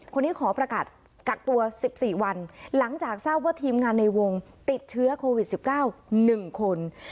ขอประกาศกักตัว๑๔วันหลังจากทราบว่าทีมงานในวงติดเชื้อโควิด๑๙๑คน